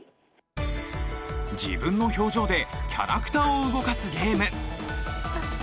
自分の表情でキャラクターを動かすゲーム！